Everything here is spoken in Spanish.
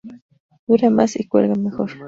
Dura más y cuelga mejor.